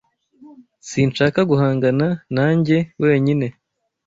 Sinshaka guhangana na njye wenyine.